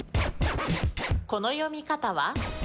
この読み方は？